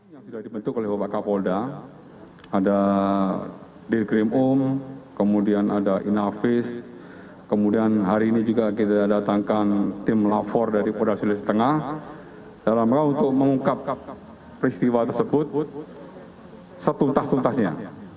yang sudah dibentuk oleh bapak kapolda ada dirkrim um kemudian ada inavis kemudian hari ini juga kita datangkan tim lafor dari polda sulawesi tengah dalam rangka untuk mengungkap peristiwa tersebut setuntas tuntasnya